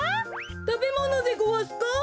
たべものでごわすか？